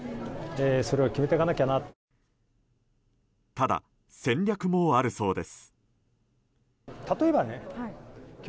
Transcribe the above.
ただ、戦略もあるそうです。